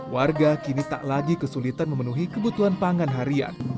warga kini tak lagi kesulitan memenuhi kebutuhan pangan harian